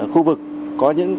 khu vực có những